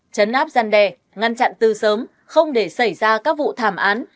chấn áp gian đe ngăn chặn tư sớm không để xảy ra các vụ thảm án